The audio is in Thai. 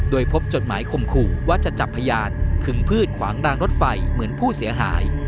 โดยพบจดหมายคมขู่ว่าจะจับพยานคึงพืชขวางรางรถไฟเหมือนผู้เสียหาย